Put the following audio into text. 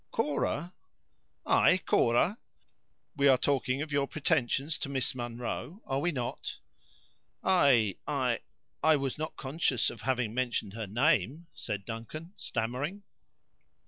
"Cora!" "Ay—Cora! we are talking of your pretensions to Miss Munro, are we not, sir?" "I—I—I was not conscious of having mentioned her name," said Duncan, stammering.